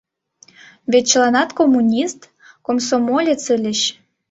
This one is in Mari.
Вет чыланат коммунист, комсомолец ыльыч.